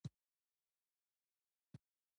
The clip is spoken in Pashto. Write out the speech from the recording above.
په ټیپ کې د جګجیت سنګ غزلې اوري.